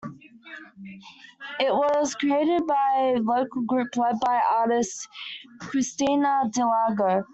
It was created by a local group lead by artist Cristina Delago.